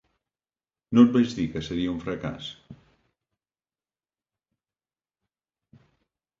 No et vaig dir que seria un fracàs?